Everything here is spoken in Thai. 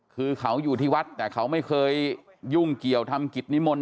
คือเขาอยู่ที่วัดแต่เขาไม่เคยยุ่งเกี่ยวทำกิจนิมนต์